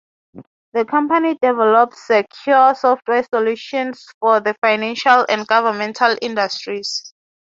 The company develops secure software solutions for the financial and governmental industries.